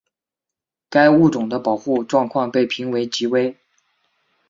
该物种的保护状况被评为极危。